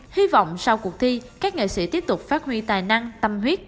hy vọng sau cuộc thi các nghệ sĩ tiếp tục phát huy tài năng tâm huyết